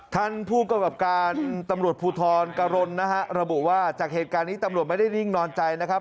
ท่านผู้กำกับการตำรวจภูทรกรณนะฮะระบุว่าจากเหตุการณ์นี้ตำรวจไม่ได้นิ่งนอนใจนะครับ